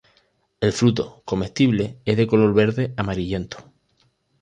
El fruto, comestible, es de color verde amarillento.